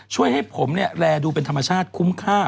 ช่วยให้ผมแรดูเป็นธรรมชาติคุ้มค่า